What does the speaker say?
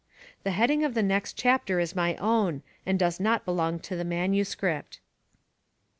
The heading of the next chapter is my own, and does not belong to the manuscript.